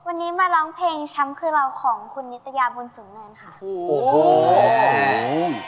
วันนี้มาร้องเพลงแชมป์คือเราของคุณนิตยาบุญสูงเนินค่ะโอ้โห